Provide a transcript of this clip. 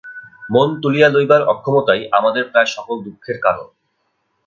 মন তুলিয়া লইবার অক্ষমতাই আমাদের প্রায় সকল দুঃখের কারণ।